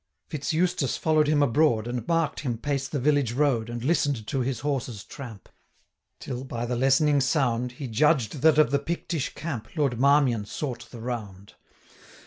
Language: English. Fitz Eustace follow'd him abroad, 570 And mark'd him pace the village road, And listen'd to his horse's tramp, Till, by the lessening sound, He judged that of the Pictish camp Lord Marmion sought the round.